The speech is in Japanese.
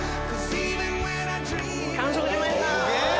完食しました！